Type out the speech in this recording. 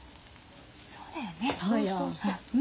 そうだよね。